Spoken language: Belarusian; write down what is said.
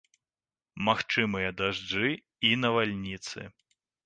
Магчымыя дажджы і навальніцы.